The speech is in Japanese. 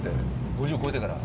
５０超えてから。